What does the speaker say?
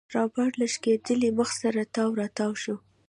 رابرټ له شکېدلي مخ سره تاو راتاو شو.